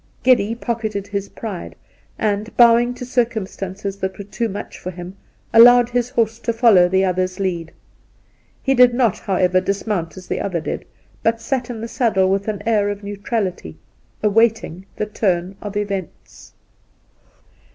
Geddy pocketed his pride and, bowing to circum stances that were too much for him, allowed his horse to follow the other's lead. He did not, how ever, dismount as the other did, but sat in the saddle with an air of neutrality, awaiting the turn of events.